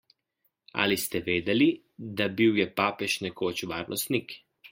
Ali ste vedeli, da bil je papež nekoč varnostnik?